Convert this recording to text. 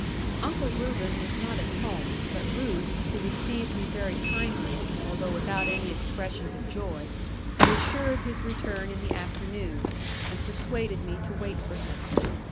Uncle Reuben was not at home, but Ruth, who received me very kindly, although without any expressions of joy, was sure of his return in the afternoon, and persuaded me to wait for him.